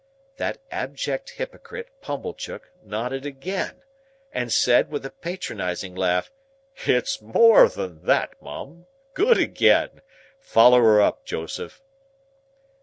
That abject hypocrite, Pumblechook, nodded again, and said, with a patronizing laugh, "It's more than that, Mum. Good again! Follow her up, Joseph!"